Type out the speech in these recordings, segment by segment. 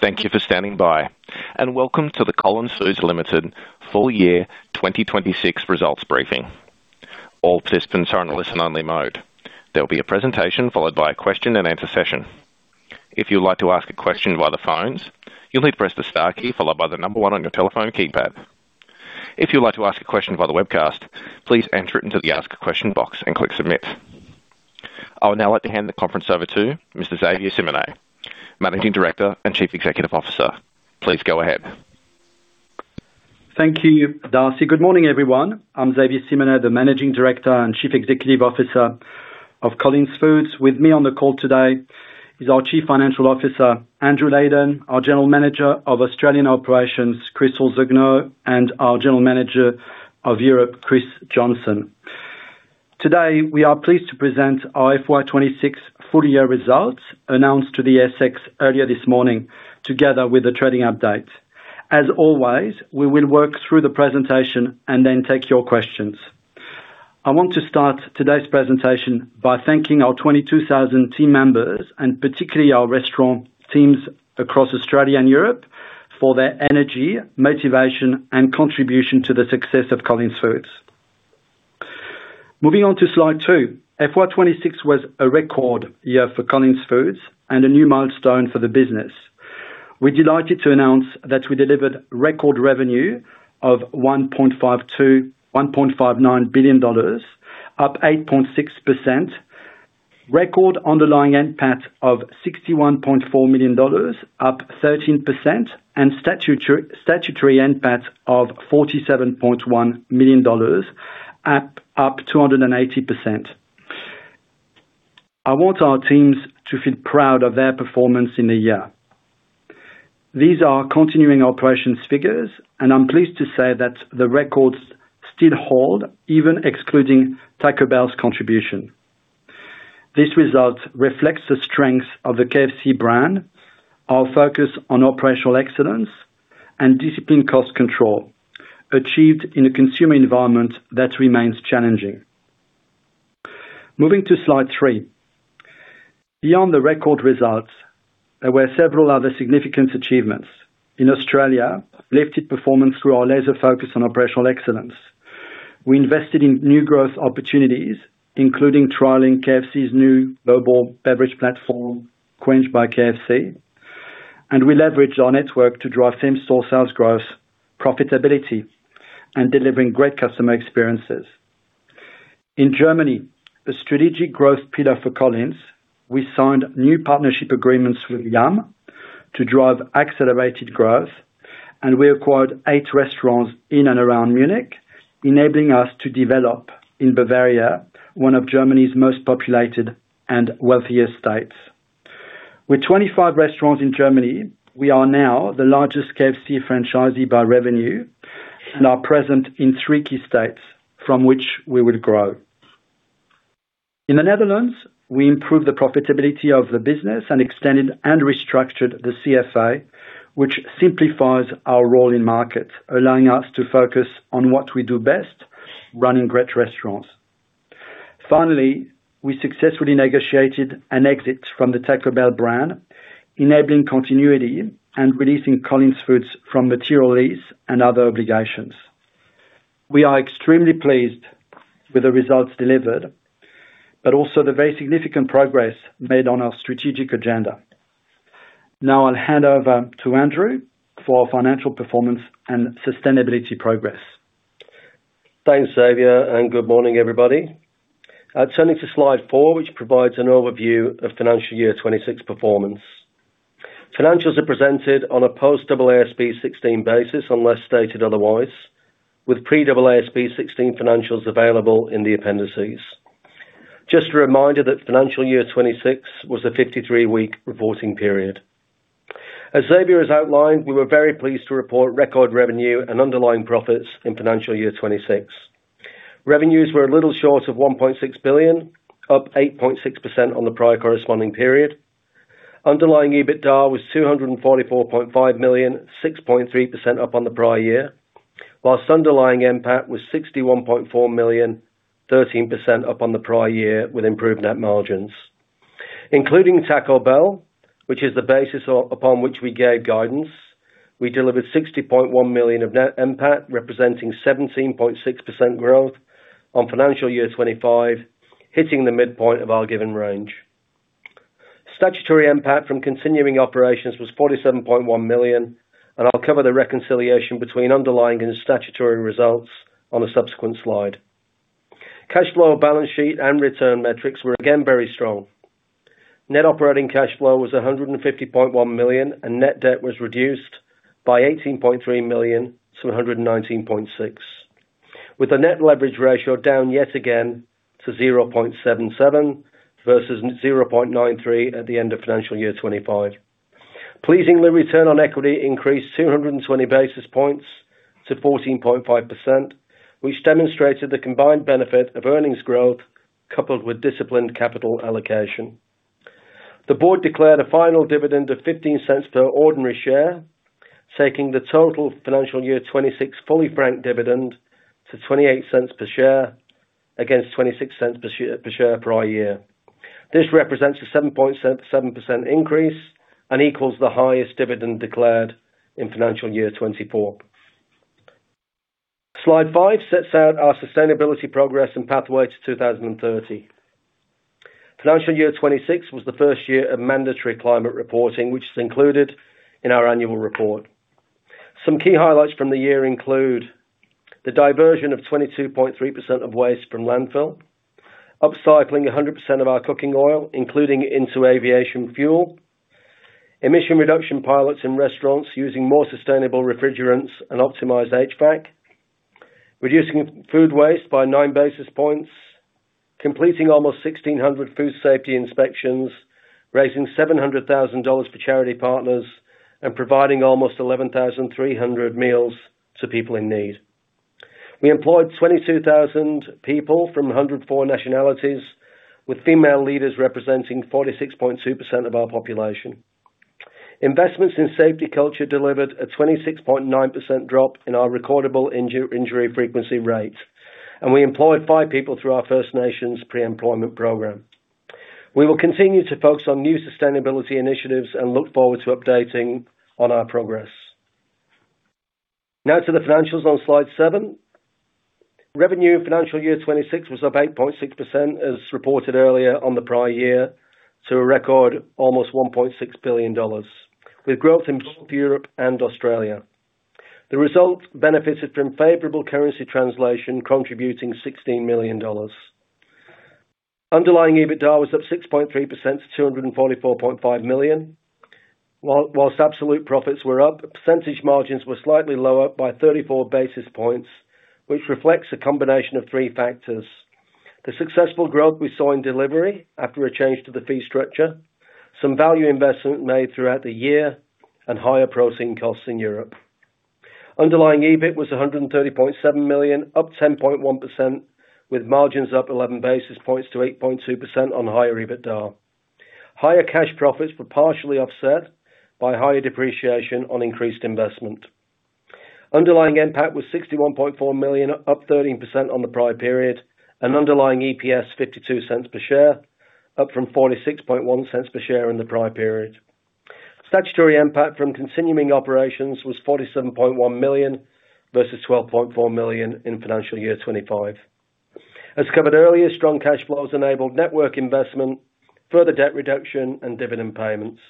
Thank you for standing by, and welcome to the Collins Foods Limited full year 2026 results briefing. All participants are in a listen-only mode. There will be a presentation followed by a question and answer session. If you'd like to ask a question via the phones, you'll need to press the star key followed by the number one on your telephone keypad. If you'd like to ask a question via the webcast, please enter it into the ask a question box and click submit. I would now like to hand the conference over to Mr. Xavier Simonet, Managing Director and Chief Executive Officer. Please go ahead. Thank you, Darcy. Good morning, everyone. I'm Xavier Simonet, the Managing Director and Chief Executive Officer of Collins Foods. With me on the call today is our Chief Financial Officer, Andrew Leyden, our General Manager of Australian Operations, Krystal Zugno, and our General Manager of Europe, Chris Johnson. Today, we are pleased to present our FY 2026 full year results announced to the ASX earlier this morning, together with the trading update. As always, we will work through the presentation and then take your questions. I want to start today's presentation by thanking our 22,000 team members, and particularly our restaurant teams across Australia and Europe for their energy, motivation, and contribution to the success of Collins Foods. Moving on to slide two. FY 2026 was a record year for Collins Foods and a new milestone for the business. We're delighted to announce that we delivered record revenue of 1.59 billion dollars, up 8.6%. Record underlying NPAT of 61.4 million dollars, up 13%, and statutory NPAT of 47.1 million dollars, up 280%. I want our teams to feel proud of their performance in the year. These are continuing operations figures, and I'm pleased to say that the records still hold, even excluding Taco Bell's contribution. This result reflects the strength of the KFC brand, our focus on operational excellence, and disciplined cost control achieved in a consumer environment that remains challenging. Moving to slide three. Beyond the record results, there were several other significant achievements. In Australia, [lifted] performance while we're laser-focused on operational excellence. we invested in new growth opportunities, including trialing KFC's new global beverage platform, KWENCH by KFC. we leveraged our net worth to drive same-store sales growth profitability and delivering great customer experiences. In Germany, a strategic growth pillar for Collins, we signed new partnership agreements with Yum! to drive accelerated growth, and we acquired eight restaurants in and around Munich, enabling us to develop in Bavaria, one of Germany's most populated and wealthiest states. With 25 restaurants in Germany, we are now the largest KFC franchisee by revenue and are present in three key states from which we will grow. In the Netherlands, we improved the profitability of the business and extended and restructured the CFA, which simplifies our role in market, allowing us to focus on what we do best, running great restaurants. Finally, we successfully negotiated an exit from the Taco Bell brand, enabling continuity and releasing Collins Foods from material lease and other obligations. We are extremely pleased with the results delivered, but also the very significant progress made on our strategic agenda. I'll hand over to Andrew for our financial performance and sustainability progress. Thanks, Xavier. Good morning, everybody. Turning to slide four, which provides an overview of financial year 2026 performance. Financials are presented on a post AASB 16 basis, unless stated otherwise, with pre AASB 16 financials available in the appendices. Just a reminder that financial year 2026 was a 53-week reporting period. As Xavier has outlined, we were very pleased to report record revenue and underlying profits in financial year 2026. Revenues were a little short of 1.6 billion, up 8.6% on the prior corresponding period. Underlying EBITDA was 244.5 million, 6.3% up on the prior year, whilst underlying NPAT was 61.4 million, 13% up on the prior year with improved net margins. Including Taco Bell, which is the basis upon which we gave guidance, we delivered 60.1 million of net NPAT, representing 17.6% growth on financial year 2025, hitting the midpoint of our given range. Statutory NPAT from continuing operations was 47.1 million. I'll cover the reconciliation between underlying and statutory results on a subsequent slide. Cash flow balance sheet and return metrics were again very strong. Net operating cash flow was 150.1 million. Net debt was reduced by 18.3 million to 119.6 million, with a net leverage ratio down yet again to 0.77x versus 0.93x at the end of financial year 2025. Pleasingly, return on equity increased 220 basis points to 14.5%, which demonstrated the combined benefit of earnings growth coupled with disciplined capital allocation. The board declared a final dividend of 0.15 per ordinary share, taking the total financial year 2026 fully franked dividend to 0.28 per share against 0.26 per share prior year. This represents a 7.7% increase and equals the highest dividend declared in financial year 2024. Slide five sets out our sustainability progress and pathway to 2030. Financial year 2026 was the first year of mandatory climate reporting, which is included in our annual report. Some key highlights from the year include the diversion of 22.3% of waste from landfill, upcycling 100% of our cooking oil, including into aviation fuel, emission reduction pilots in restaurants using more sustainable refrigerants and optimized HVAC, reducing food waste by 9 basis points, completing almost 1,600 food safety inspections, raising 700,000 dollars for charity partners, providing almost 11,300 meals to people in need. We employed 22,000 people from 104 nationalities, with female leaders representing 46.2% of our population. Investments in safety culture delivered a 26.9% drop in our recordable injury frequency rate. We employed five people through our First Nations pre-employment program. We will continue to focus on new sustainability initiatives, look forward to updating on our progress. To the financials on slide seven. Revenue in financial year 2026 was up 8.6%, as reported earlier on the prior year, to a record almost 1.6 billion dollars, with growth in both Europe and Australia. The result benefited from favorable currency translation, contributing 16 million dollars. Underlying EBITDA was up 6.3% to 244.5 million. Whilst absolute profits were up, percentage margins were slightly lower by 34 basis points, which reflects a combination of three factors: The successful growth we saw in delivery after a change to the fee structure, some value investment made throughout the year, and higher protein costs in Europe. Underlying EBIT was 130.7 million, up 10.1%, with margins up 11 basis points to 8.2% on higher EBITDA. Higher cash profits were partially offset by higher depreciation on increased investment. Underlying NPAT was 61.4 million, up 13% on the prior period, and underlying EPS 0.52 per share, up from 0.461 per share in the prior period. Statutory NPAT from continuing operations was 47.1 million versus 12.4 million in financial year 2025. As covered earlier, strong cash flows enabled network investment, further debt reduction, and dividend payments.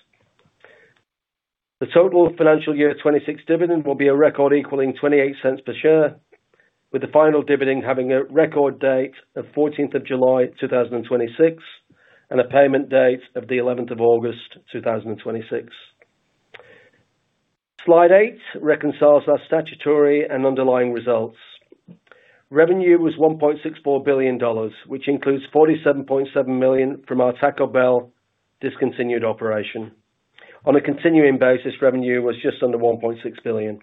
The total financial year 2026 dividend will be a record equaling 0.28 per share, with the final dividend having a record date of 14th of July, 2026, and a payment date of the 11th of August, 2026. Slide eight reconciles our statutory and underlying results. Revenue was 1.64 billion dollars, which includes 47.7 million from our Taco Bell discontinued operation. On a continuing basis, revenue was just under 1.6 billion.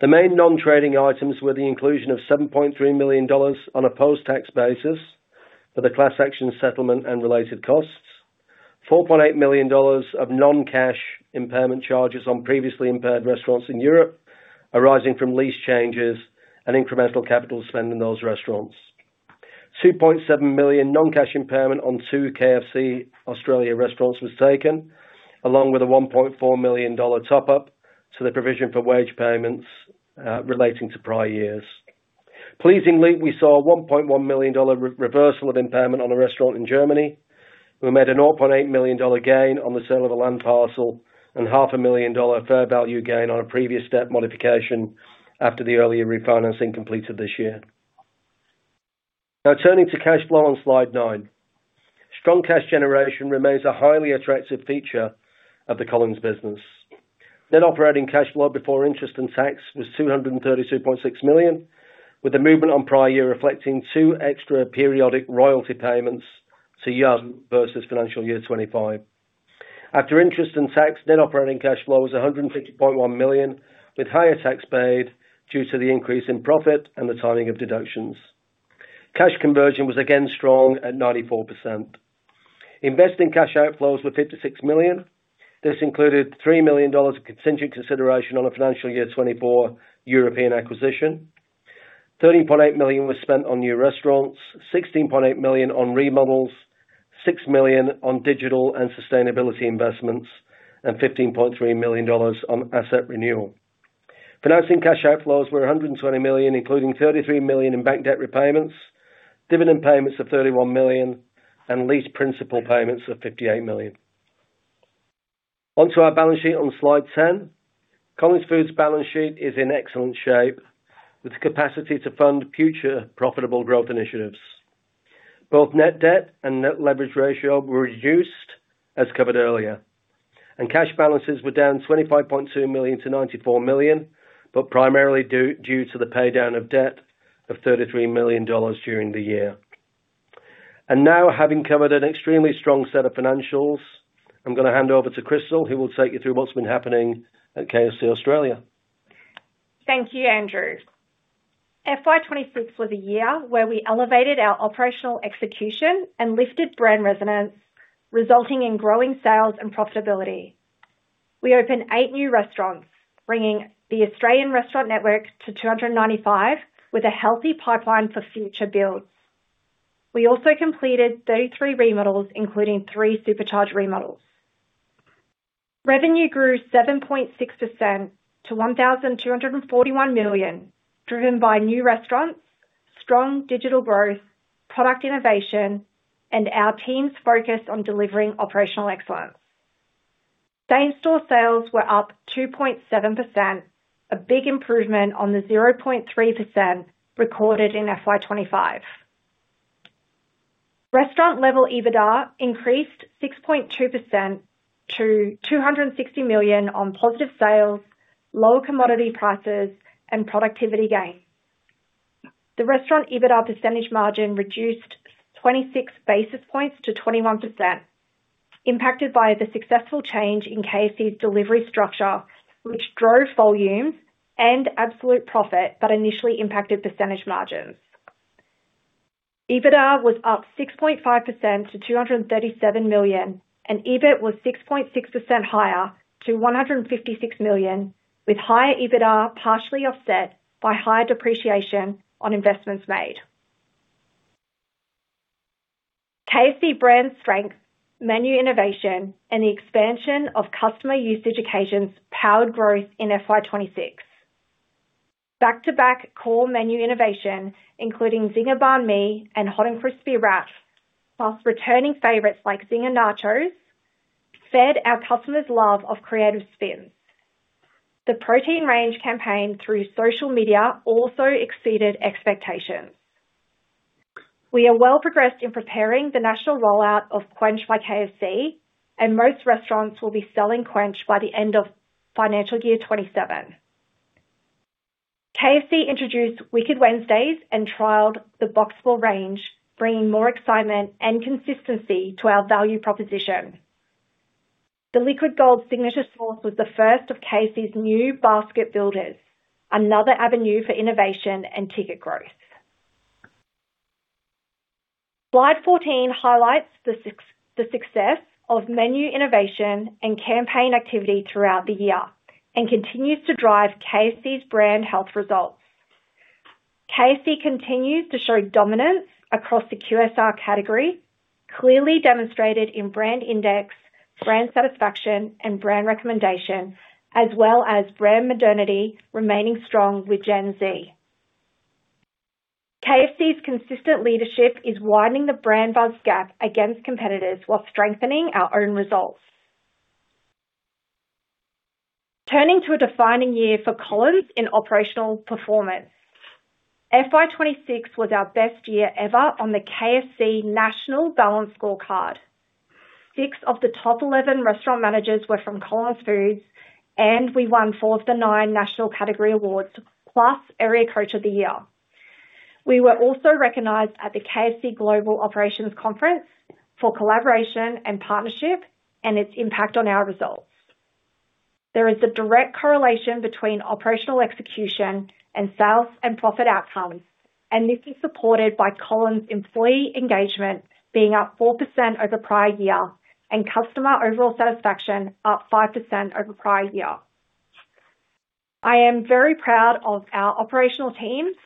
The main non-trading items were the inclusion of 7.3 million dollars on a post-tax basis for the class action settlement and related costs, 4.8 million dollars of non-cash impairment charges on previously impaired restaurants in Europe arising from lease changes and incremental capital spend in those restaurants. 2.7 million non-cash impairment on two KFC Australia restaurants was taken, along with a 1.4 million dollar top-up to the provision for wage payments relating to prior years. Pleasingly, we saw a 1.1 million dollar reversal of impairment on a restaurant in Germany. We made an 0.8 million dollar gain on the sale of a land parcel and half a million dollar fair value gain on a previous debt modification after the earlier refinancing completed this year. Turning to cash flow on slide nine. Strong cash generation remains a highly attractive feature of the Collins business. Net operating cash flow before interest and tax was 232.6 million, with the movement on prior year reflecting two extra periodic royalty payments to Yum! versus financial year 2025. After interest and tax, net operating cash flow was 150.1 million, with higher tax paid due to the increase in profit and the timing of deductions. Cash conversion was again strong at 94%. Investing cash outflows were 56 million. This included 3 million dollars of contingent consideration on a financial year 2024 European acquisition. 13.8 million was spent on new restaurants, 16.8 million on remodels, 6 million on digital and sustainability investments, and 15.3 million dollars on asset renewal. Financing cash outflows were 120 million, including 33 million in bank debt repayments, dividend payments of 31 million, and lease principal payments of 58 million. On to our balance sheet on slide 10. Collins Foods' balance sheet is in excellent shape, with the capacity to fund future profitable growth initiatives. Both net debt and net leverage ratio were reduced, as covered earlier. Cash balances were down 25.2 million to 94 million, but primarily due to the paydown of debt of 33 million dollars during the year. Now, having covered an extremely strong set of financials, I'm going to hand over to Krystal, who will take you through what's been happening at KFC Australia. Thank you, Andrew. FY 2026 was a year where we elevated our operational execution and lifted brand resonance, resulting in growing sales and profitability. We opened eight new restaurants, bringing the Australian restaurant network to 295, with a healthy pipeline for future builds. We also completed 33 remodels, including three supercharge remodels. Revenue grew 7.6% to 1.241 billion, driven by new restaurants, strong digital growth, product innovation, and our teams focused on delivering operational excellence. Same-store sales were up 2.7%, a big improvement on the 0.3% recorded in FY 2025. Restaurant level EBITDA increased 6.2% to 260 million on positive sales, lower commodity prices, and productivity gains. The restaurant EBITDA percentage margin reduced 26 basis points to 21%, impacted by the successful change in KFC's delivery structure, which drove volumes and absolute profit but initially impacted percentage margins. EBITDA was up 6.5% to 237 million, and EBIT was 6.6% higher to 156 million, with higher EBITDA partially offset by higher depreciation on investments made. KFC brand strength, menu innovation, and the expansion of customer usage occasions powered growth in FY 2026. Back-to-back core menu innovation, including Zinger Bánh Mì and Hot and Crispy Wrap, plus returning favorites like Zinger Nachos, fed our customers' love of creative spins. The protein range campaign through social media also exceeded expectations. We are well progressed in preparing the national rollout of KWENCH by KFC, and most restaurants will be selling KWENCH by the end of financial year 2027. KFC introduced Wicked Wednesdays and trialed the Boxfull range, bringing more excitement and consistency to our value proposition. The Liquid Gold signature sauce was the first of KFC's new basket builders, another avenue for innovation and ticket growth. Slide 14 highlights the success of menu innovation and campaign activity throughout the year and continues to drive KFC's brand health results. KFC continues to show dominance across the QSR category, clearly demonstrated in brand index, brand satisfaction, and brand recommendation, as well as brand modernity remaining strong with Gen Z. KFC's consistent leadership is widening the brand buzz gap against competitors while strengthening our own results. Turning to a defining year for Collins in operational performance. FY 2026 was our best year ever on the KFC National Balanced Scorecard. Six of the top 11 restaurant managers were from Collins Foods, and we won four of the nine national category awards, plus Area Coach of the Year. We were also recognized at the KFC Global Operations Conference for collaboration and partnership and its impact on our results. There is a direct correlation between operational execution and sales and profit outcomes, and this is supported by Collins employee engagement being up 4% over prior year and customer overall satisfaction up 5% over prior year. I am very proud of our operational teams.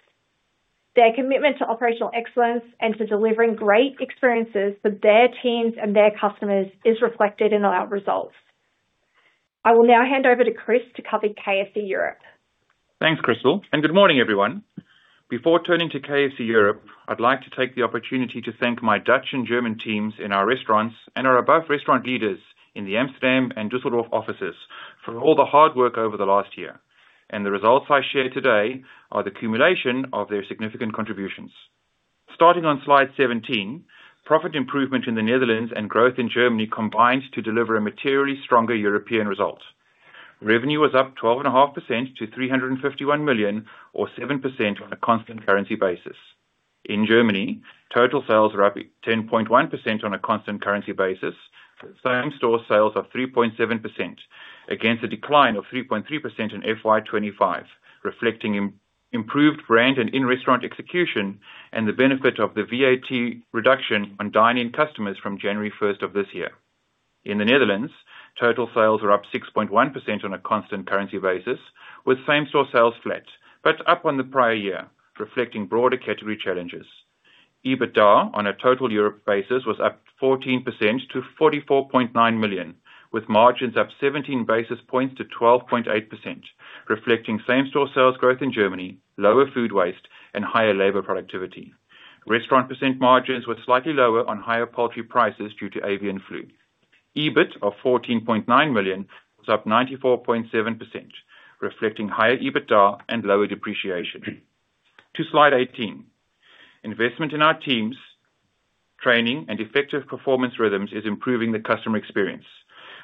Their commitment to operational excellence and to delivering great experiences for their teams and their customers is reflected in our results. I will now hand over to Chris to cover KFC Europe. Thanks, Krystal, and good morning, everyone. Before turning to KFC Europe, I'd like to take the opportunity to thank my Dutch and German teams in our restaurants and our above-restaurant leaders in the Amsterdam and Düsseldorf offices for all the hard work over the last year. The results I share today are the culmination of their significant contributions. Starting on slide 17, profit improvement in the Netherlands and growth in Germany combined to deliver a materially stronger European result. Revenue was up 12.5% to 351 million or 7% on a constant currency basis. In Germany, total sales are up 10.1% on a constant currency basis. Same-store sales are 3.7% against a decline of 3.3% in FY 2025, reflecting improved brand and in-restaurant execution and the benefit of the VAT reduction on dine-in customers from January 1st of this year. In the Netherlands, total sales are up 6.1% on a constant currency basis, with same-store sales flat, but up on the prior year, reflecting broader category challenges. EBITDA on a total Europe basis was up 14% to 44.9 million, with margins up 17 basis points to 12.8%, reflecting same-store sales growth in Germany, lower food waste, and higher labor productivity. Restaurant percent margins were slightly lower on higher poultry prices due to avian flu. EBIT of 14.9 million was up 94.7%, reflecting higher EBITDA and lower depreciation. To slide 18. Investment in our teams, training, and effective performance rhythms is improving the customer experience.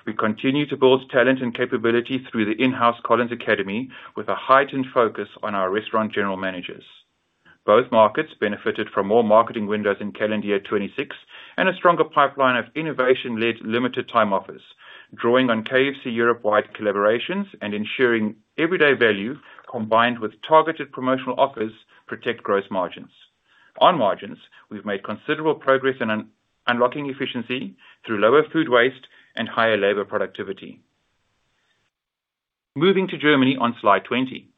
We continue to build talent and capability through the in-house Collins Academy, with a heightened focus on our restaurant general managers. Both markets benefited from more marketing windows in calendar year 2026 and a stronger pipeline of innovation-led limited-time offers, drawing on KFC Europe-wide collaborations and ensuring everyday value combined with targeted promotional offers protect gross margins. On margins, we've made considerable progress in unlocking efficiency through lower food waste and higher labor productivity. Moving to Germany on slide 20.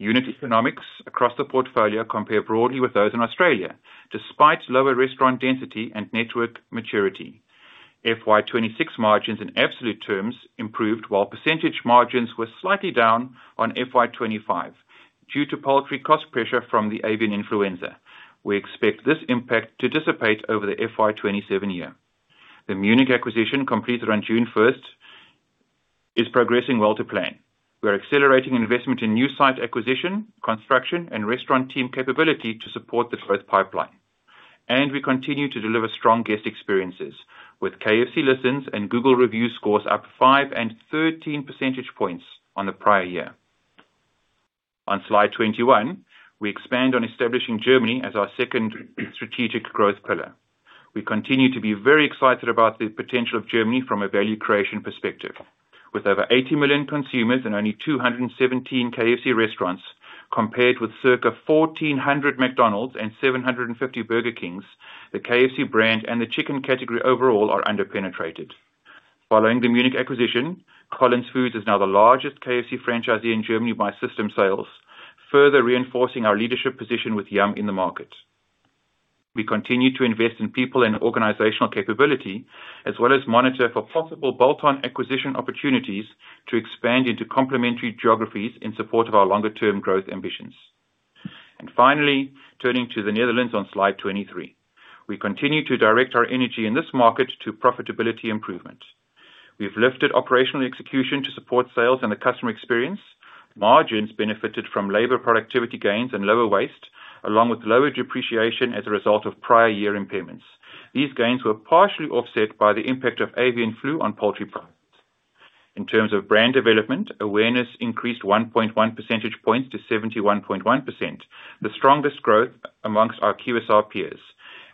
Unit economics across the portfolio compare broadly with those in Australia, despite lower restaurant density and network maturity. FY 2026 margins in absolute terms improved while percentage margins were slightly down on FY 2025 due to poultry cost pressure from the avian influenza. We expect this impact to dissipate over the FY 2027 year. The Munich acquisition completed on June 1st, is progressing well to plan. We are accelerating investment in new site acquisition, construction, and restaurant team capability to support the growth pipeline. We continue to deliver strong guest experiences with KFC Listens and Google review scores up five and 13 percentage points on the prior year. On slide 21, we expand on establishing Germany as our second strategic growth pillar. We continue to be very excited about the potential of Germany from a value creation perspective. With over 80 million consumers and only 217 KFC restaurants, compared with circa 1,400 McDonald's and 750 Burger King, the KFC brand and the chicken category overall are under-penetrated. Following the Munich acquisition, Collins Foods is now the largest KFC franchisee in Germany by system sales, further reinforcing our leadership position with Yum! in the market. We continue to invest in people and organizational capability, as well as monitor for possible bolt-on acquisition opportunities to expand into complementary geographies in support of our longer-term growth ambitions. Finally, turning to the Netherlands on slide 23. We continue to direct our energy in this market to profitability improvement. We've lifted operational execution to support sales and the customer experience. Margins benefited from labor productivity gains and lower waste, along with lower depreciation as a result of prior year impairments. These gains were partially offset by the impact of avian flu on poultry products. In terms of brand development, awareness increased 1.1 percentage points to 71.1%, the strongest growth amongst our QSR peers.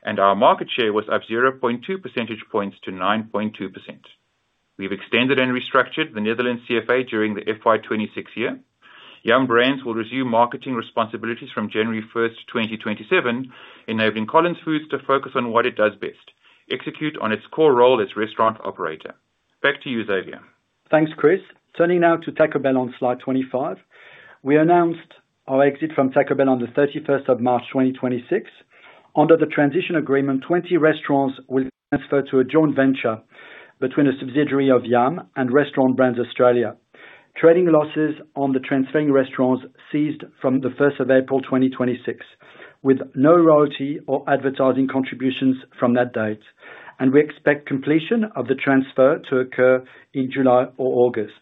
Our market share was up 0.2 percentage points to 9.2%. We've extended and restructured the Netherlands CFA during the FY 2026 year. Yum! Brands will resume marketing responsibilities from January 1st, 2027, enabling Collins Foods to focus on what it does best, execute on its core role as restaurant operator. Back to you, Xavier. Thanks, Chris. Turning now to Taco Bell on slide 25. We announced our exit from Taco Bell on the 31st of March 2026. Under the transition agreement, 20 restaurants will transfer to a joint venture between a subsidiary of Yum! and Restaurant Brands Australia. Trading losses on the transferring restaurants ceased from the 1st of April 2026, with no royalty or advertising contributions from that date. We expect completion of the transfer to occur in July or August.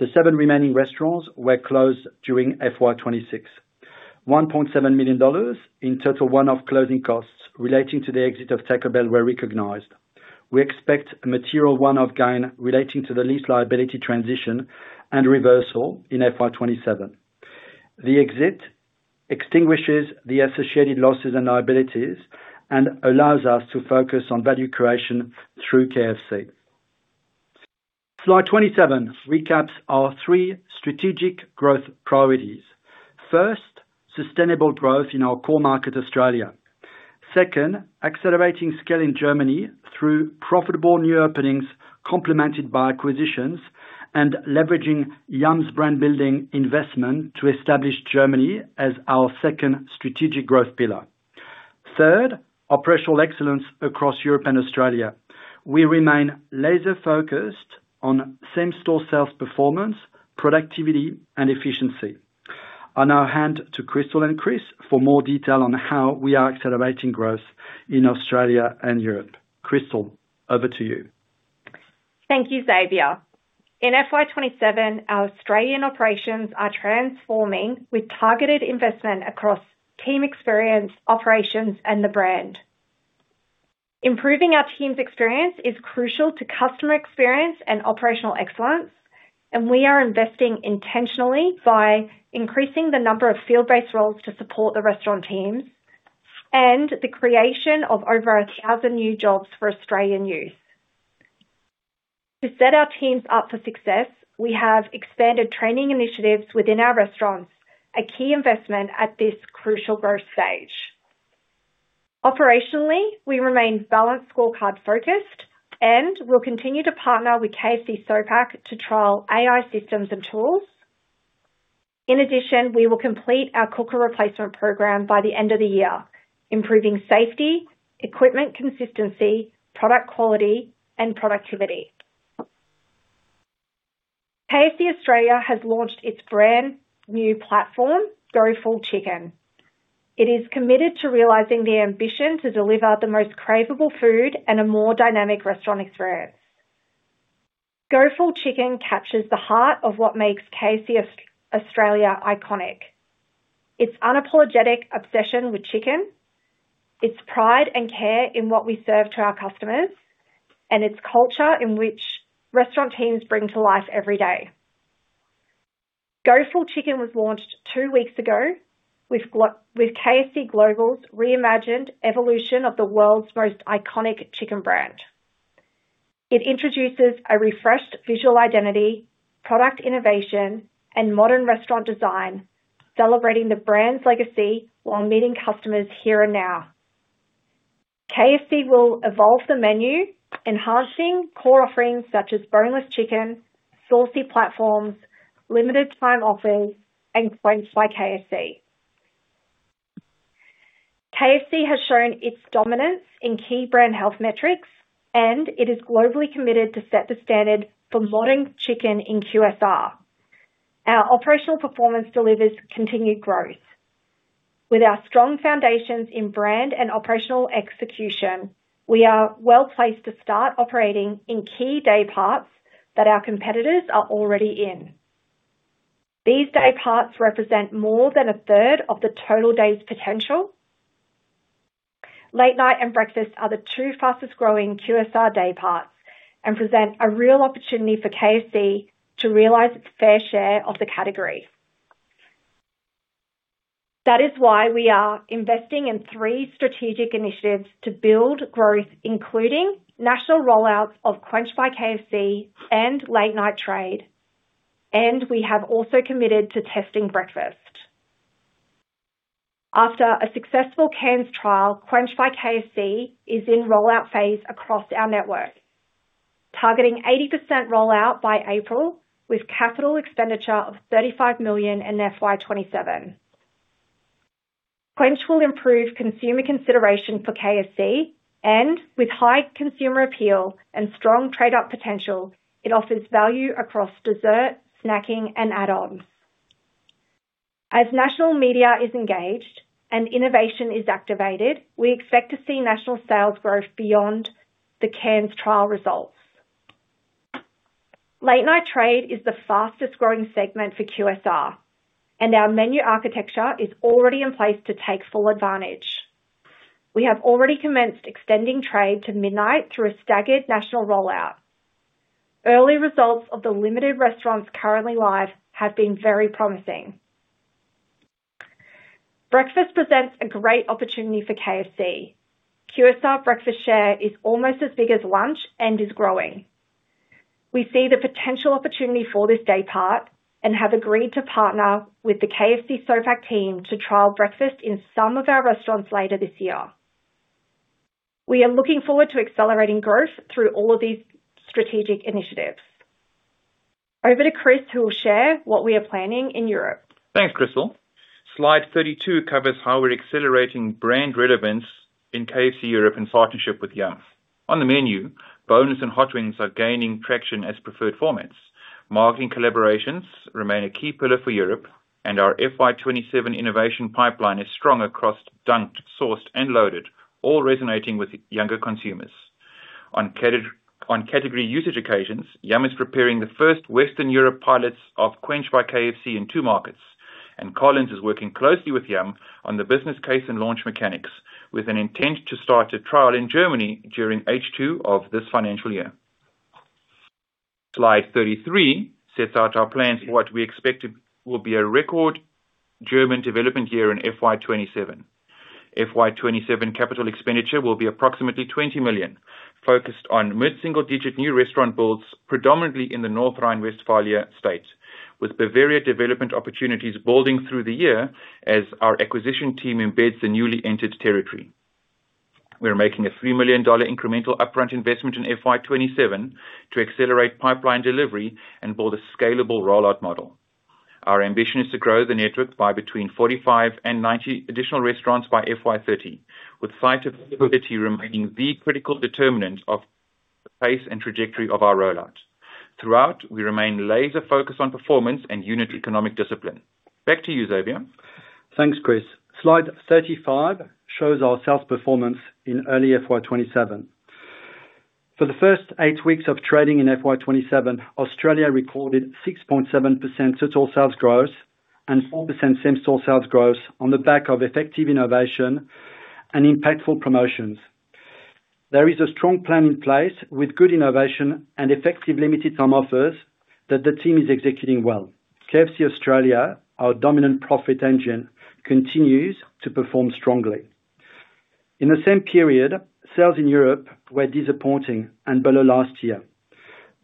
The seven remaining restaurants were closed during FY 2026. 1.7 million dollars in total, one-off closing costs relating to the exit of Taco Bell were recognized. We expect a material one-off gain relating to the lease liability transition and reversal in FY 2027. The exit extinguishes the associated losses and liabilities and allows us to focus on value creation through KFC. Slide 27 recaps our three strategic growth priorities. First, sustainable growth in our core market, Australia. Second, accelerating scale in Germany through profitable new openings, complemented by acquisitions and leveraging Yum!'s brand building investment to establish Germany as our second strategic growth pillar. Third, operational excellence across Europe and Australia. We remain laser-focused on same-store sales, performance, productivity, and efficiency. On our hand to Krystal and Chris for more detail on how we are accelerating growth in Australia and Europe. Krystal, over to you. Thank you, Xavier. In FY 2027, our Australian operations are transforming with targeted investment across team experience, operations, and the brand. We are investing intentionally by increasing the number of field-based roles to support the restaurant teams and the creation of over 1,000 new jobs for Australian youth. To set our teams up for success, we have expanded training initiatives within our restaurants, a key investment at this crucial growth stage. Operationally, we remain Balanced Scorecard-focused and will continue to partner with KFC SOPAC to trial AI systems and tools. In addition, we will complete our cooker replacement program by the end of the year, improving safety, equipment consistency, product quality, and productivity. KFC Australia has launched its brand new platform, Go Full Chicken. It is committed to realizing the ambition to deliver the most craveable food and a more dynamic restaurant experience. Go Full Chicken captures the heart of what makes KFC Australia iconic. Its unapologetic obsession with chicken, its pride and care in what we serve to our customers, and its culture in which restaurant teams bring to life every day. Go Full Chicken was launched two weeks ago with KFC Global's reimagined evolution of the world's most iconic chicken brand. It introduces a refreshed visual identity, product innovation, and modern restaurant design, celebrating the brand's legacy while meeting customers here and now. KFC will evolve the menu, enhancing core offerings such as boneless chicken, saucy platforms, limited-time offers, and KWENCH by KFC. It is globally committed to set the standard for modern chicken in QSR. Our operational performance delivers continued growth. With our strong foundations in brand and operational execution, we are well-placed to start operating in key day parts that our competitors are already in. These day parts represent more than a third of the total day's potential. Late night and breakfast are the two fastest growing QSR day parts and present a real opportunity for KFC to realize its fair share of the category. That is why we are investing in three strategic initiatives to build growth, including national rollouts of KWENCH by KFC and late night trade. We have also committed to testing breakfast. After a successful Cairns trial, KWENCH by KFC is in rollout phase across our network, targeting 80% rollout by April with capital expenditure of 35 million in FY 2027. KWENCH will improve consumer consideration for KFC. With high consumer appeal and strong trade-up potential, it offers value across dessert, snacking, and add-ons. As national media is engaged and innovation is activated, we expect to see national sales growth beyond the Cairns trial results. Late night trade is the fastest growing segment for QSR. Our menu architecture is already in place to take full advantage. We have already commenced extending trade to midnight through a staggered national rollout. Early results of the limited restaurants currently live have been very promising. Breakfast presents a great opportunity for KFC. QSR breakfast share is almost as big as lunch and is growing. We see the potential opportunity for this day part and have agreed to partner with the KFC SOPAC team to trial breakfast in some of our restaurants later this year. We are looking forward to accelerating growth through all of these strategic initiatives. Over to Chris, who will share what we are planning in Europe. Thanks, Krystal. Slide 32 covers how we're accelerating brand relevance in KFC Europe in partnership with Yum! On the menu, bones and hot wings are gaining traction as preferred formats. Marketing collaborations remain a key pillar for Europe, and our FY 2027 innovation pipeline is strong across dunked, sourced, and loaded, all resonating with younger consumers. On category usage occasions, Yum! is preparing the first Western Europe pilots of KWENCH by KFC in two markets, and Collins is working closely with Yum! on the business case and launch mechanics with an intent to start a trial in Germany during H2 of this financial year. Slide 33 sets out our plans for what we expect will be a record German development year in FY 2027. FY 2027 capital expenditure will be approximately 20 million, focused on mid-single-digit new restaurant builds, predominantly in the North Rhine-Westphalia state, with Bavaria development opportunities building through the year as our acquisition team embeds the newly entered territory. We're making a 3 million dollar incremental upfront investment in FY 2027 to accelerate pipeline delivery and build a scalable rollout model. Our ambition is to grow the network by between 45 and 90 additional restaurants by FY 2030, with site availability remaining the critical determinant of the pace and trajectory of our rollout. Throughout, we remain laser-focused on performance and unit economic discipline. Back to you, Xavier. Thanks, Chris. Slide 35 shows our sales performance in early FY 2027. For the first eight weeks of trading in FY 2027, Australia recorded 6.7% total sales growth and 4% same-store sales growth on the back of effective innovation and impactful promotions. There is a strong plan in place with good innovation and effective limited time offers that the team is executing well. KFC Australia, our dominant profit engine, continues to perform strongly. In the same period, sales in Europe were disappointing and below last year.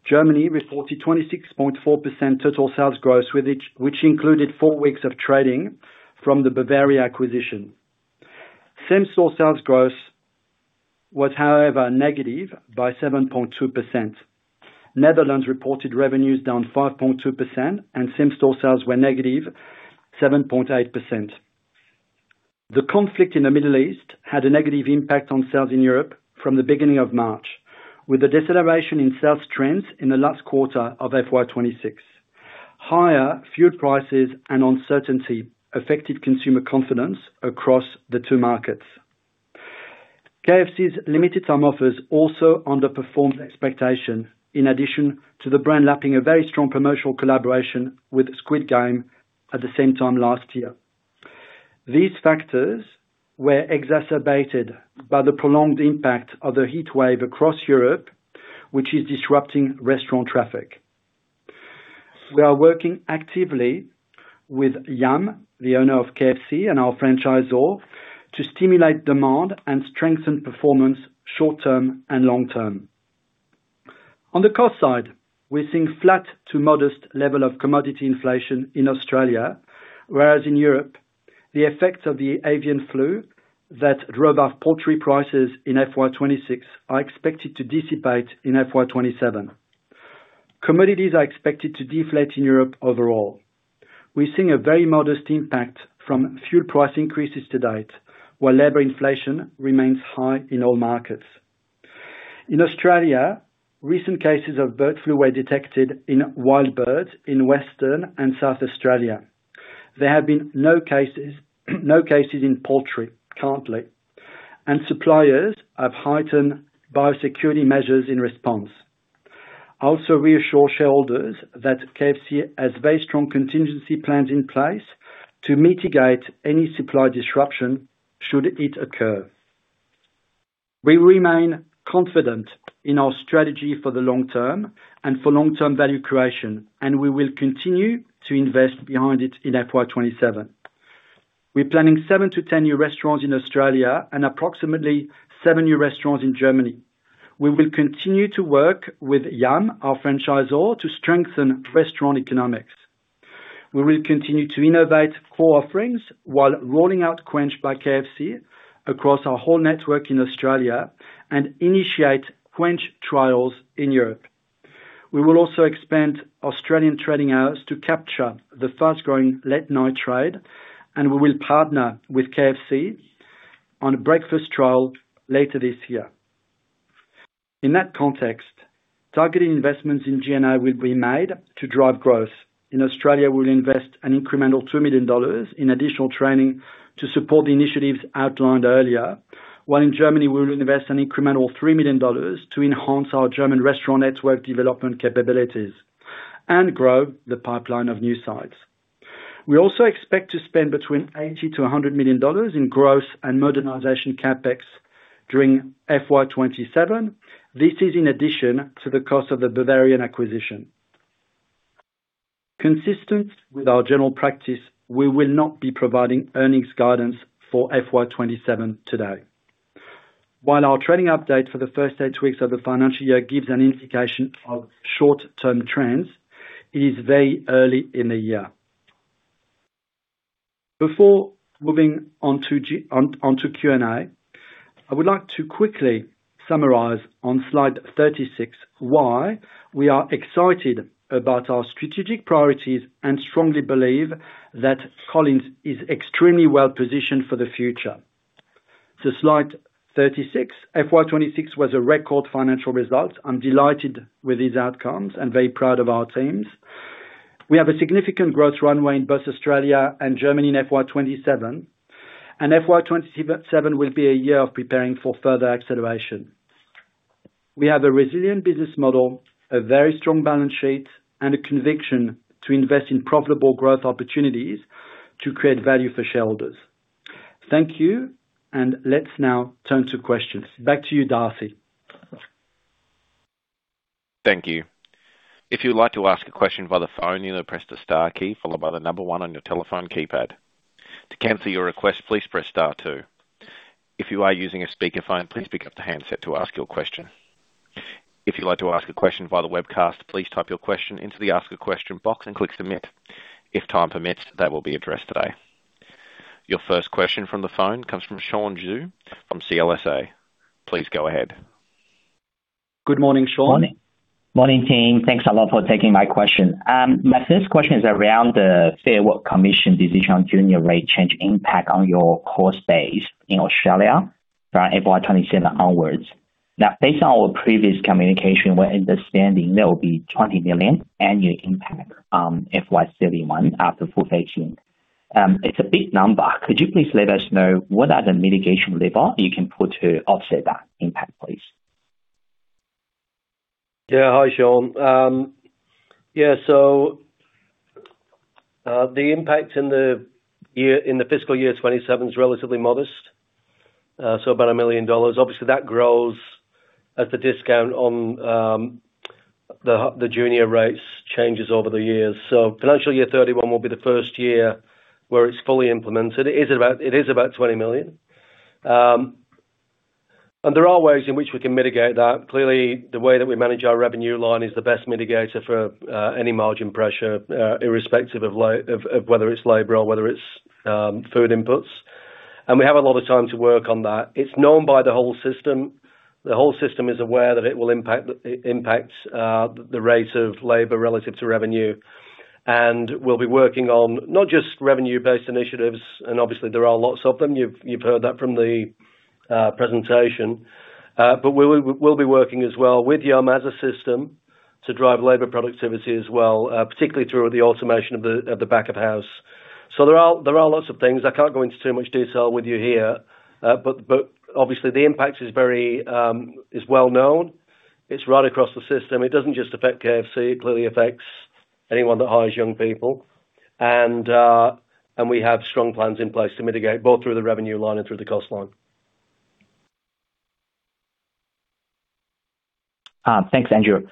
Germany reported 26.4% total sales growth, which included four weeks of trading from the Bavaria acquisition. Same-store sales growth was, however, negative by 7.2%. Netherlands reported revenues down 5.2%, and same-store sales were -7.8%. The conflict in the Middle East had a negative impact on sales in Europe from the beginning of March, with a deceleration in sales trends in the last quarter of FY 2026. Higher food prices and uncertainty affected consumer confidence across the two markets. KFC's limited-time offers also underperformed expectation, in addition to the brand lapping a very strong promotional collaboration with Squid Game at the same time last year. These factors were exacerbated by the prolonged impact of the heat wave across Europe, which is disrupting restaurant traffic. We are working actively with Yum!, the owner of KFC and our franchisor, to stimulate demand and strengthen performance short-term and long-term. On the cost side, we're seeing flat to modest level of commodity inflation in Australia, whereas in Europe, the effects of the avian flu that drove up poultry prices in FY 2026 are expected to dissipate in FY 2027. Commodities are expected to deflate in Europe overall. We're seeing a very modest impact from fuel price increases to date, while labor inflation remains high in all markets. In Australia, recent cases of bird flu were detected in wild birds in Western and South Australia. There have been no cases in poultry currently, and suppliers have heightened biosecurity measures in response. We also reassure shareholders that KFC has very strong contingency plans in place to mitigate any supply disruption should it occur. We remain confident in our strategy for the long term and for long-term value creation, and we will continue to invest behind it in FY 2027. We're planning seven to 10 new restaurants in Australia and approximately seven new restaurants in Germany. We will continue to work with Yum!, our franchisor, to strengthen restaurant economics. We will continue to innovate core offerings while rolling out KWENCH by KFC across our whole network in Australia and initiate KWENCH trials in Europe. We will also expand Australian trading hours to capture the fast-growing late-night trade. We will partner with KFC on a breakfast trial later this year. In that context, targeted investments in G&A will be made to drive growth. In Australia, we'll invest an incremental 2 million dollars in additional training to support the initiatives outlined earlier. While in Germany, we'll invest an incremental 3 million dollars to enhance our German restaurant network development capabilities and grow the pipeline of new sites. We also expect to spend between 80 million-100 million dollars in gross and modernization CapEx during FY 2027. This is in addition to the cost of the Bavarian acquisition. Consistent with our general practice, we will not be providing earnings guidance for FY 2027 today. Our trading update for the first eight weeks of the financial year gives an indication of short-term trends, it is very early in the year. Before moving on to Q&A, I would like to quickly summarize on slide 36 why we are excited about our strategic priorities and strongly believe that Collins is extremely well-positioned for the future. Slide 36, FY 2026 was a record financial result. I'm delighted with these outcomes and very proud of our teams. We have a significant growth runway in both Australia and Germany in FY 2027. FY 2027 will be a year of preparing for further acceleration. We have a resilient business model, a very strong balance sheet, and a conviction to invest in profitable growth opportunities to create value for shareholders. Thank you. Let's now turn to questions. Back to you, Darcy. Thank you. If you'd like to ask a question by the phone, you'll need to press the star key followed by the number one on your telephone keypad. To cancel your request, please press star two. If you are using a speakerphone, please pick up the handset to ask your question. If you'd like to ask a question via the webcast, please type your question into the Ask a Question box and click Submit. If time permits, that will be addressed today. Your first question from the phone comes from Sean Xu from CLSA. Please go ahead. Good morning, Sean. Morning team. Thanks a lot for taking my question. My first question is around the Fair Work Commission decision on junior rate change impact on your cost base in Australia from FY 2027 onwards. Now, based on our previous communication, we're understanding there will be 20 million annual impact on FY 2031 after full phasing. It's a big number. Could you please let us know what are the mitigation labor you can put to offset that impact, please? Hi, Sean. The impact in the fiscal year 2027 is relatively modest, about 1 million dollars. Obviously, that grows as the discount on the junior rates changes over the years. Financial year 2031 will be the first year where it's fully implemented. It is about 20 million. There are ways in which we can mitigate that. Clearly, the way that we manage our revenue line is the best mitigator for any margin pressure, irrespective of whether it's labor or whether it's food inputs. We have a lot of time to work on that. It's known by the whole system. The whole system is aware that it will impact the rate of labor relative to revenue. We'll be working on not just revenue-based initiatives, and obviously there are lots of them. You've heard that from the presentation. We'll be working as well with Yum! as a system to drive labor productivity as well, particularly through the automation of the back of house. There are lots of things. I can't go into too much detail with you here, but obviously the impact is well known. It's right across the system. It doesn't just affect KFC. It clearly affects anyone that hires young people. We have strong plans in place to mitigate, both through the revenue line and through the cost line. Thanks, Andrew.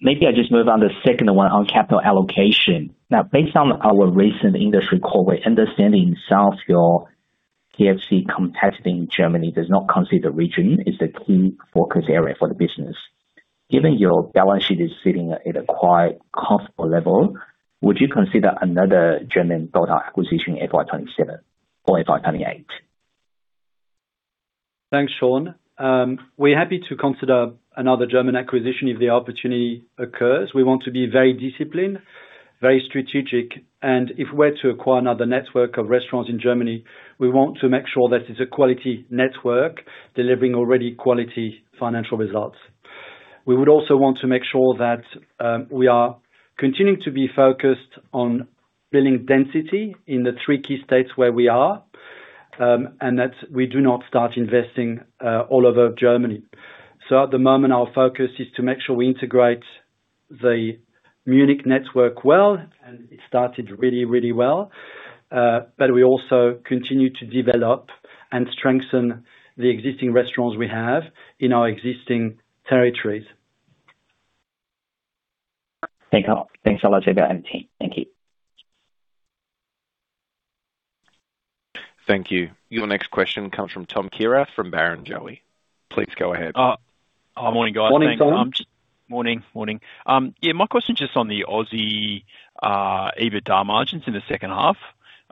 Maybe I just move on to the second one on capital allocation. Based on our recent industry call, we're understanding [South Hill] KFC contesting Germany does not consider region as a key focus area for the business. Given your balance sheet is sitting at a quite comfortable level, would you consider another German build-out acquisition FY 2027 or FY 2028? Thanks, Sean. We're happy to consider another German acquisition if the opportunity occurs. We want to be very disciplined, very strategic, and if we're to acquire another network of restaurants in Germany, we want to make sure that it's a quality network delivering already quality financial results. We would also want to make sure that we are continuing to be focused on building density in the three key states where we are, and that we do not start investing all over Germany. At the moment, our focus is to make sure we integrate the Munich network well, and it started really, really well. We also continue to develop and strengthen the existing restaurants we have in our existing territories. Thank you all. Thanks a lot, everyone. Thank you. Thank you. Your next question comes from Tom Kierath from Barrenjoey. Please go ahead. Morning, guys. Morning, Tom. Morning. My question is just on the Aussie EBITDA margins in the second half.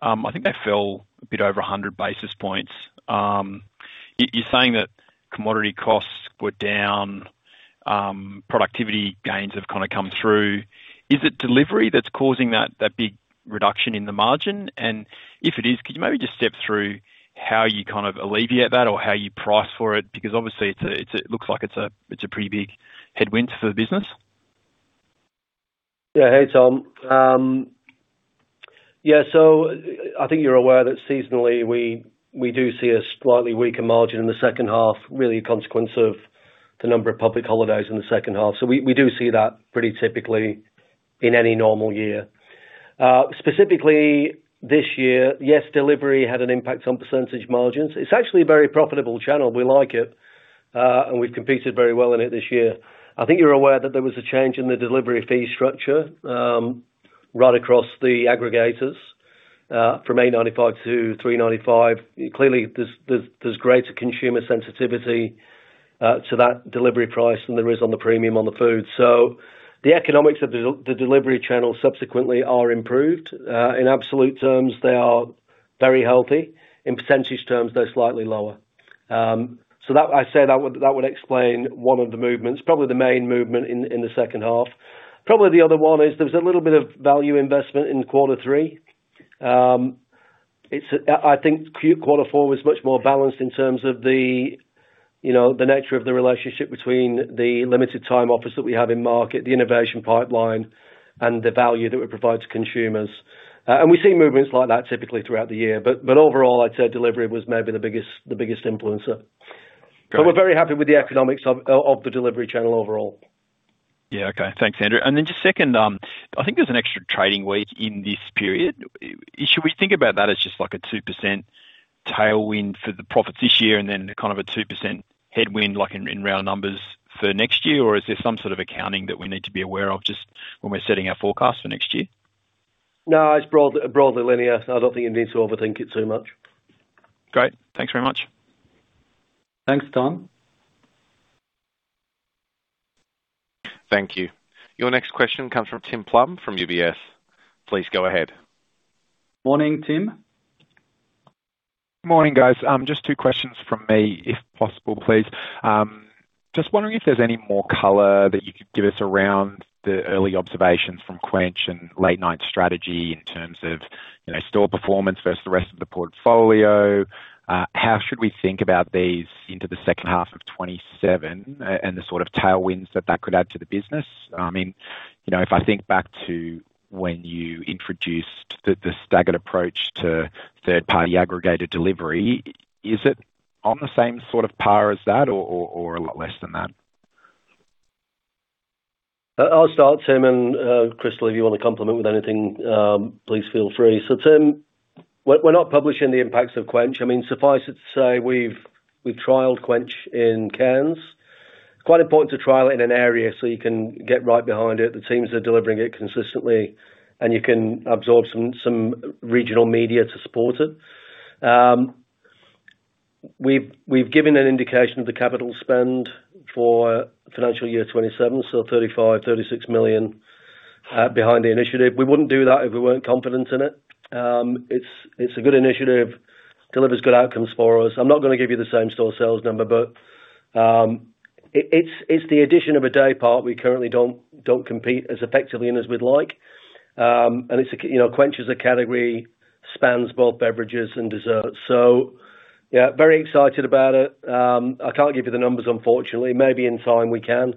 I think they fell a bit over 100 basis points. You're saying that commodity costs were down. Productivity gains have kind of come through. Is it delivery that's causing that big reduction in the margin? If it is, could you maybe just step through how you kind of alleviate that or how you price for it? Obviously, it looks like it's a pretty big headwind for the business. Hey, Tom. I think you're aware that seasonally, we do see a slightly weaker margin in the second half, really a consequence of the number of public holidays in the second half. We do see that pretty typically in any normal year. Specifically this year, yes, delivery had an impact on percentage margins. It's actually a very profitable channel. We like it, and we've competed very well in it this year. I think you're aware that there was a change in the delivery fee structure, right across the aggregators, from 8.95 to 3.95. Clearly, there's greater consumer sensitivity to that delivery price than there is on the premium on the food. The economics of the delivery channel subsequently are improved. In absolute terms, they are very healthy. In percentage terms, they're slightly lower. I say that would explain one of the movements, probably the main movement in the second half. Probably the other one is there was a little bit of value investment in quarter three. I think quarter four was much more balanced in terms of the nature of the relationship between the limited time offers that we have in market, the innovation pipeline, and the value that we provide to consumers. We see movements like that typically throughout the year. Overall, I'd say delivery was maybe the biggest influencer. Great. We're very happy with the economics of the delivery channel overall. Yeah. Okay. Thanks, Andrew. Just second, I think there's an extra trading week in this period. Should we think about that as just like a 2% tailwind for the profits this year and then kind of a 2% headwind, like in round numbers, for next year? Or is there some sort of accounting that we need to be aware of just when we're setting our forecast for next year? No, it's broadly linear. I don't think you need to overthink it too much. Great. Thanks very much. Thanks, Tom. Thank you. Your next question comes from Tim Plumbe from UBS. Please go ahead. Morning, Tim. Morning, guys. Two questions from me, if possible, please. Wondering if there's any more color that you could give us around the early observations from KWENCH and late night strategy in terms of store performance versus the rest of the portfolio. How should we think about these into the second half of 2027 and the sort of tailwinds that that could add to the business? If I think back to when you introduced the staggered approach to third-party aggregated delivery, is it on the same sort of par as that or a lot less than that? I'll start, Tim, and Chris, if you want to complement with anything, please feel free. Tim, we're not publishing the impacts of KWENCH. Suffice it to say, we've trialed KWENCH in Cairns. Quite important to trial it in an area so you can get right behind it. The teams are delivering it consistently, and you can absorb some regional media to support it. We've given an indication of the capital spend for financial year 2027, so 35 million-36 million behind the initiative. We wouldn't do that if we weren't confident in it. It's a good initiative, delivers good outcomes for us. I'm not going to give you the same-store sales number, but it's the addition of a day part we currently don't compete as effectively in as we'd like. KWENCH as a category spans both beverages and desserts. Yeah, very excited about it. I can't give you the numbers, unfortunately. Maybe in time we can.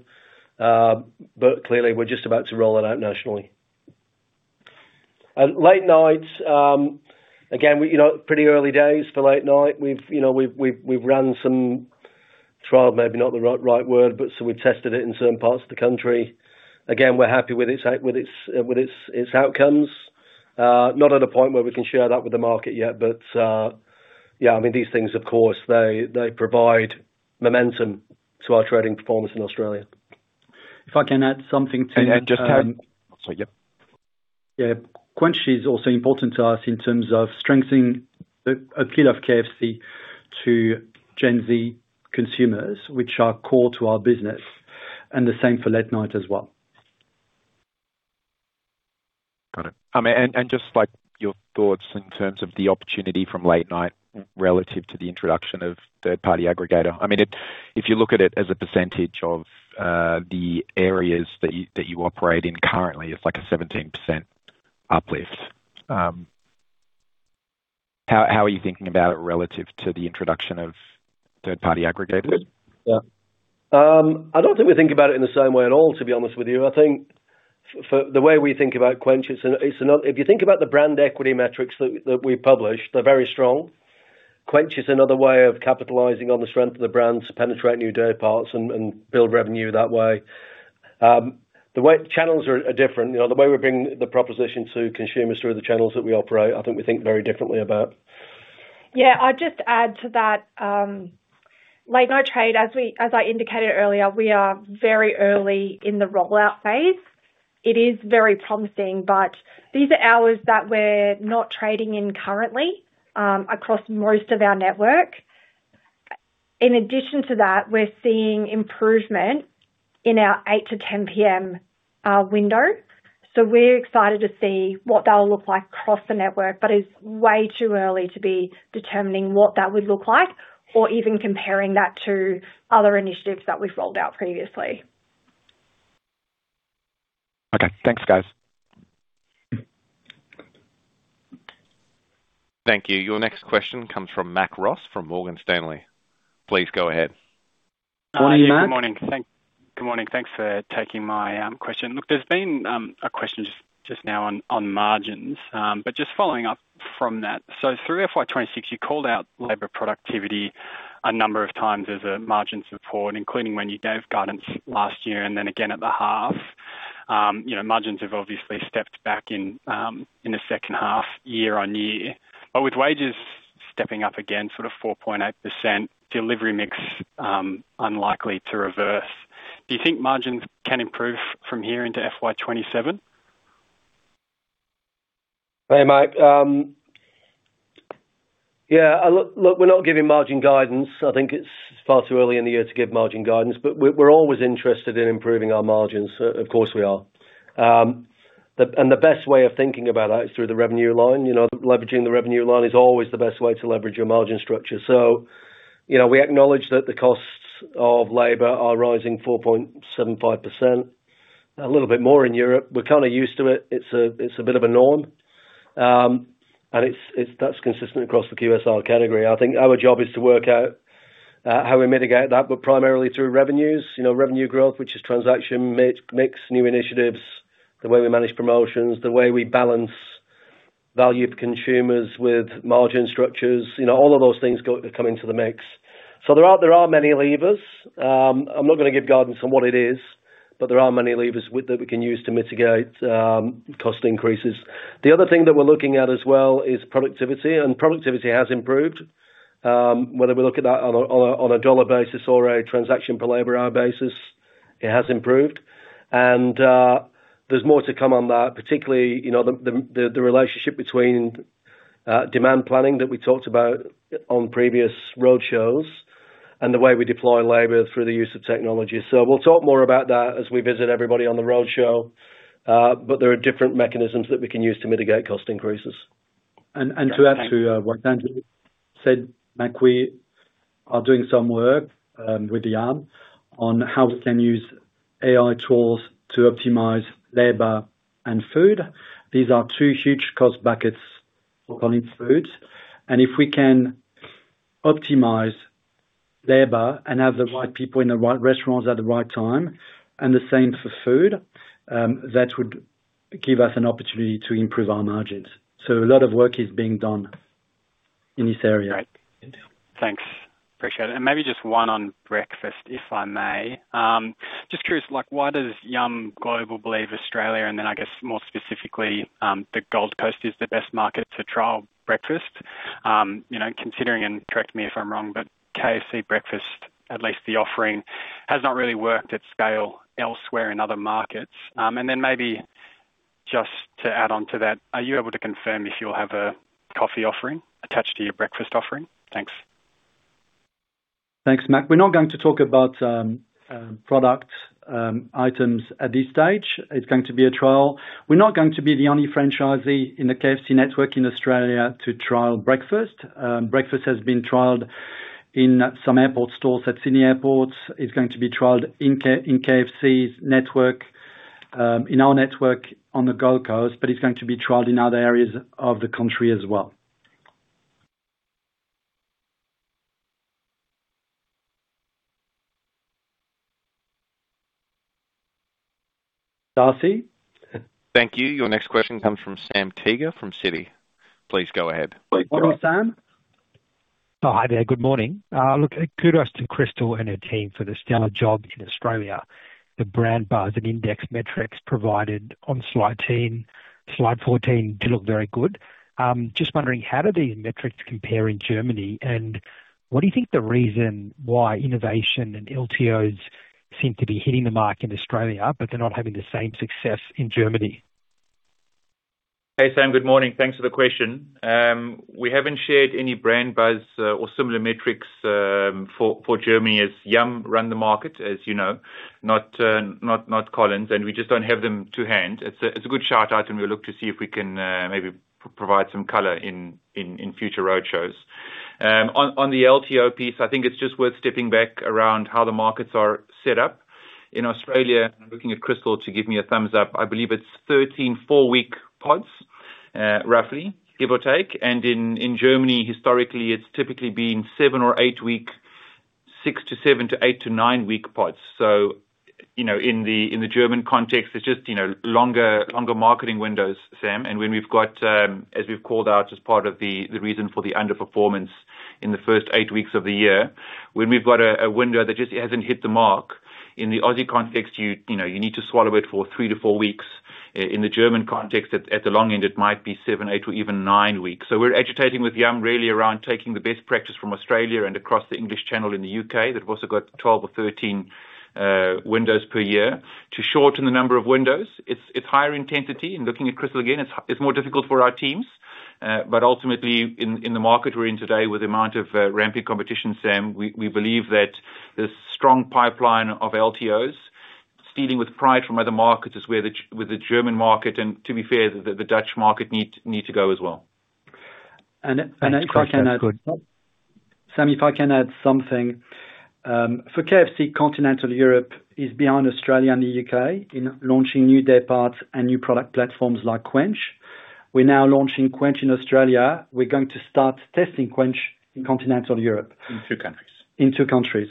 Clearly, we're just about to roll it out nationally. Late night, again, pretty early days for late night. We've run some, trial maybe not the right word, but we've tested it in certain parts of the country. Again, we're happy with its outcomes. Not at a point where we can share that with the market yet. Yeah, I mean these things, of course, they provide momentum to our trading performance in Australia. If I can add something to- Yeah. Yeah. KWENCH is also important to us in terms of strengthening the appeal of KFC to Gen Z consumers, which are core to our business, and the same for late night as well. Got it. Just your thoughts in terms of the opportunity from late night relative to the introduction of third-party aggregators. I mean, if you look at it as a percentage of the areas that you operate in currently, it's like a 17% uplift. How are you thinking about it relative to the introduction of third-party aggregators? Yeah. I don't think we think about it in the same way at all, to be honest with you. I think for the way we think about KWENCH, if you think about the brand equity metrics that we published, they're very strong. KWENCH is another way of capitalizing on the strength of the brand to penetrate new day parts and build revenue that way. The channels are different. The way we're bringing the proposition to consumers through the channels that we operate, I think we think very differently about. Yeah. I'd just add to that. Late night trade, as I indicated earlier, we are very early in the rollout phase. It is very promising, but these are hours that we're not trading in currently, across most of our network. In addition to that, we're seeing improvement in our 8:00 P.M. to 10:00 P.M. window. We're excited to see what that'll look like across the network, but it's way too early to be determining what that would look like or even comparing that to other initiatives that we've rolled out previously. Okay, thanks, guys. Thank you. Your next question comes from Mac Ross from Morgan Stanley. Please go ahead. Morning, Mac. Good morning. Thanks for taking my question. Look, there's been a question just now on margins. Just following up from that, through FY 2026, you called out labor productivity a number of times as a margin support, including when you gave guidance last year and then again at the half. Margins have obviously stepped back in the second half, year-over-year. With wages stepping up again sort of 4.8%, delivery mix unlikely to reverse. Do you think margins can improve from here into FY 2027? Hey, Mac. Yeah, look, we're not giving margin guidance. I think it's far too early in the year to give margin guidance, we're always interested in improving our margins. Of course, we are. The best way of thinking about that is through the revenue line. Leveraging the revenue line is always the best way to leverage your margin structure. We acknowledge that the costs of labor are rising 4.75%, a little bit more in Europe. We're kind of used to it. It's a bit of a norm. That's consistent across the QSR category. I think our job is to work out how we mitigate that, primarily through revenues. Revenue growth, which is transaction mix, new initiatives, the way we manage promotions, the way we balance value for consumers with margin structures, all of those things come into the mix. There are many levers. I'm not going to give guidance on what it is, there are many levers that we can use to mitigate cost increases. The other thing that we're looking at as well is productivity has improved. Whether we look at that on a dollar basis or a transaction per labor hour basis, it has improved. There's more to come on that, particularly, the relationship between demand planning that we talked about on previous roadshows and the way we deploy labor through the use of technology. We'll talk more about that as we visit everybody on the roadshow. There are different mechanisms that we can use to mitigate cost increases. To add to what Andrew said, Mac, we are doing some work with Yum! on how we can use AI tools to optimize labor and food. These are two huge cost buckets for Collins Foods. If we can optimize labor and have the right people in the right restaurants at the right time, and the same for food, that would give us an opportunity to improve our margins. A lot of work is being done in this area. Great. Thanks. Appreciate it. Maybe just one on breakfast, if I may. Just curious, why does Yum! Global believe Australia and then I guess more specifically, the Gold Coast is the best market to trial breakfast? Considering, and correct me if I'm wrong, but KFC breakfast, at least the offering, has not really worked at scale elsewhere in other markets. Then maybe just to add on to that, are you able to confirm if you'll have a coffee offering attached to your breakfast offering? Thanks. Thanks, Mac. We're not going to talk about product items at this stage. It's going to be a trial. We're not going to be the only franchisee in the KFC network in Australia to trial breakfast. Breakfast has been trialed in some airport stores at Sydney Airport. It's going to be trialed in KFC's network, in our network on the Gold Coast. It's going to be trialed in other areas of the country as well. Darcy? Thank you. Your next question comes from Sam Teeger from Citi. Please go ahead. Morning, Sam. Hi there. Good morning. Look, kudos to Krystal and her team for the stellar job in Australia. The brand buzz and index metrics provided on slide 14 do look very good. Just wondering, how do these metrics compare in Germany? What do you think the reason why innovation and LTOs seem to be hitting the mark in Australia, but they're not having the same success in Germany? Hey, Sam. Good morning. Thanks for the question. We haven't shared any brand buzz or similar metrics for Germany as Yum! run the market, as you know, not Collins, we just don't have them to hand. It's a good shout out, we'll look to see if we can maybe provide some color in future roadshows. On the LTO piece, I think it's just worth stepping back around how the markets are set up. In Australia, I'm looking at Krystal to give me a thumbs up. I believe it's 13, four-week pods, roughly, give or take. In Germany, historically, it's typically been seven or eight-week, six to seven to eight to nine-week pods. In the German context, it's just longer marketing windows, Sam. When we've got, as we've called out as part of the reason for the underperformance in the first eight weeks of the year, when we've got a window that just hasn't hit the mark. In the Aussie context, you need to swallow it for three to four weeks. In the German context, at the long end, it might be seven, eight or even nine weeks. We're agitating with Yum! really around taking the best practice from Australia and across the English Channel in the U.K., that also got 12 or 13 windows per year to shorten the number of windows. It's higher intensity. Looking at Krystal again, it's more difficult for our teams. Ultimately, in the market we're in today with the amount of ramping competition, Sam, we believe that this strong pipeline of LTOs, stealing with pride from other markets is where the German market, and to be fair, the Dutch market need to go as well. If I can add- Thanks, Chris. That's good. Sam, if I can add something. For KFC, Continental Europe is behind Australia and the U.K. in launching new day parts and new product platforms like KWENCH. We're now launching KWENCH in Australia. We're going to start testing KWENCH in continental Europe. In two countries. In two countries.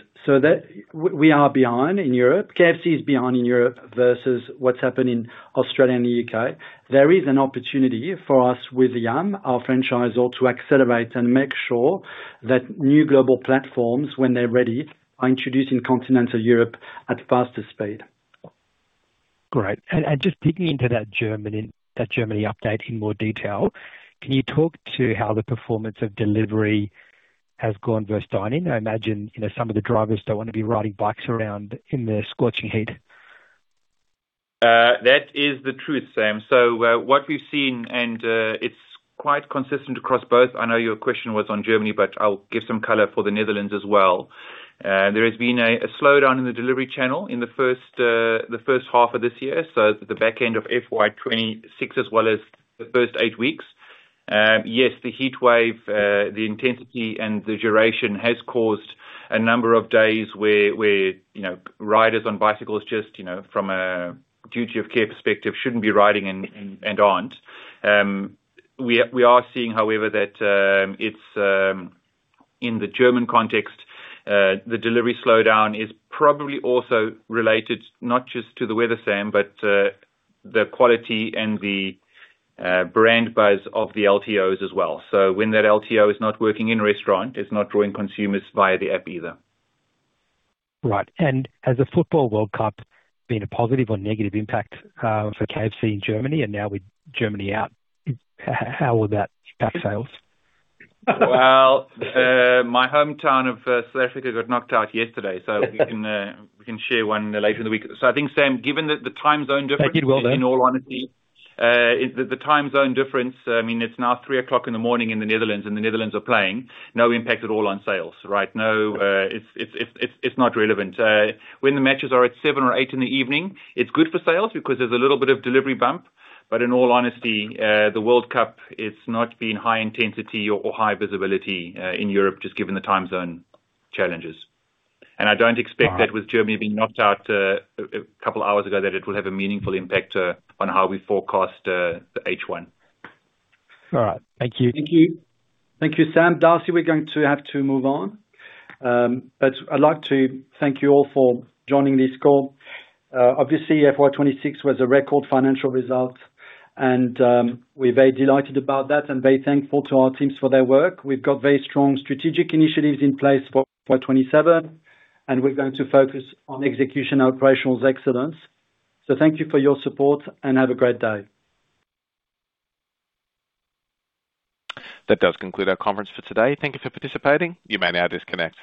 We are behind in Europe. KFC is behind in Europe versus what's happening in Australia and the U.K. There is an opportunity for us with Yum!, our franchisor, to accelerate and make sure that new global platforms, when they're ready, are introduced in continental Europe at faster speed. Great. Just digging into that Germany update in more detail, can you talk to how the performance of delivery has gone versus dine-in? I imagine some of the drivers don't want to be riding bikes around in the scorching heat. That is the truth, Sam. What we've seen, and it's quite consistent across both, I know your question was on Germany, but I'll give some color for the Netherlands as well. There has been a slowdown in the delivery channel in the first half of this year, the back end of FY 2026, as well as the first eight weeks. Yes, the heatwave, the intensity, and the duration has caused a number of days where riders on bicycles just, from a duty of care perspective, shouldn't be riding and aren't. We are seeing, however, that it's in the German context, the delivery slowdown is probably also related not just to the weather, Sam, but the quality and the brand buzz of the LTOs as well. When that LTO is not working in restaurant, it's not drawing consumers via the app either. Right. Has the FIFA World Cup been a positive or negative impact for KFC in Germany? Now with Germany out, how will that affect sales? Well, my hometown of South Africa got knocked out yesterday, so we can share one later in the week. I think, Sam, given that the time zone difference. They did well, though. In all honesty, the time zone difference, I mean, it's now three o'clock in the Netherlands, and the Netherlands are playing. No impact at all on sales, right? It's not relevant. When the matches are at 7:00 P.M. or 8:00 P.M. in the evening, it's good for sales because there's a little bit of delivery bump. In all honesty, the World Cup, it's not been high intensity or high visibility in Europe, just given the time zone challenges. I don't expect that with Germany being knocked out a couple hours ago, that it will have a meaningful impact on how we forecast the H1. All right. Thank you. Thank you. Thank you, Sam. Darcy, we're going to have to move on. I'd like to thank you all for joining this call. Obviously, FY 2026 was a record financial result, and we're very delighted about that and very thankful to our teams for their work. We've got very strong strategic initiatives in place for FY 2027, and we're going to focus on execution operational excellence. Thank you for your support and have a great day. That does conclude our conference for today. Thank you for participating. You may now disconnect.